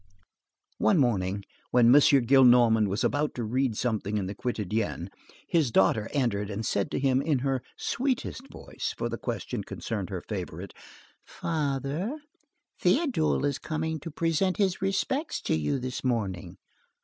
One morning, when M. Gillenormand was about to read something in the Quotidienne, his daughter entered and said to him in her sweetest voice; for the question concerned her favorite:— "Father, Théodule is coming to present his respects to you this morning."